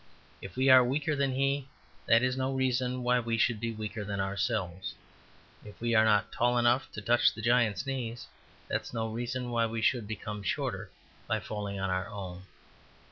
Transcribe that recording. It we are weaker than he, that is no reason why we should be weaker than ourselves. If we are not tall enough to touch the giant's knees, that is no reason why we should become shorter by falling on our own.